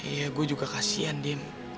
iya gue juga kasihan dim